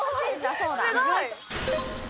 そうだ。